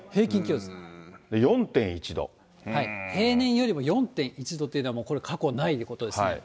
で、平年よりも４．１度というのは、もうこれ、過去ないことですね。